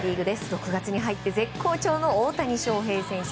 ６月に入って絶好調の大谷翔平選手。